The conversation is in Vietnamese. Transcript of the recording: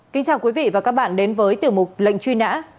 kính chào quý vị và các bạn đến với tiểu mục lệnh truy nã